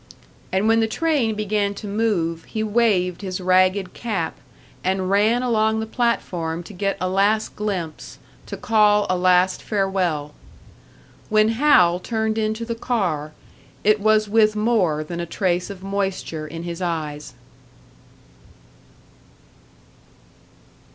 And when the train began to move, he waved his ragged cap, and ran along the platform to get a last glimpse, to call a last farewell. When Hal turned into the car, it was with more than a trace of moisture in his eyes.